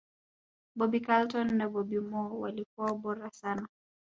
bobby charlton na bobby moore walikuwa bora sana